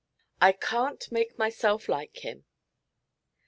'I CAN'T MAKE MYSELF LIKE HIM.'